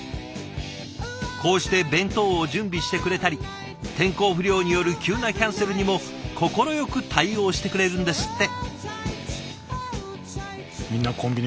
こうして弁当を準備してくれたり天候不良による急なキャンセルにも快く対応してくれるんですって。